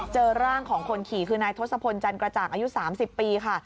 เจอร่างของคนขี่คือนายทศพลจันกระจ่างอายุ๓๐ปีค่ะ